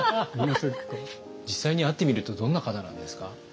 実際に会ってみるとどんな方なんですか？